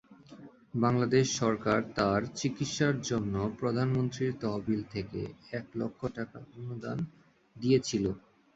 বাংলাদেশ সরকার তার চিকিৎসার জন্য প্রধানমন্ত্রীর তহবিল থেকে এক লাখ টাকা অনুদান দিয়েছিল